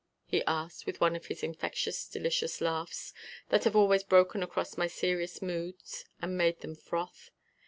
he asked with one of his infectious, delicious laughs that have always broken across my serious moods and made them froth.